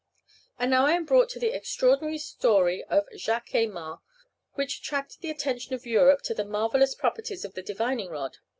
And now I am brought to the extraordinary story of Jacques Aymar, which attracted the attention of Europe to the marvellous properties of the divining rod.